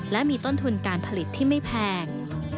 และมีต้นทุนการผลิตที่ไม่แพง